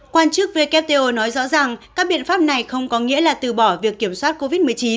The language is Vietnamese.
quan chức wto nói rõ rằng các biện pháp này không có nghĩa là từ bỏ việc kiểm soát covid một mươi chín